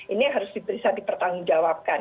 ini harus bisa dipertanggungjawabkan